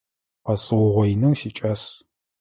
Къэсыугъоинэу сикӏас.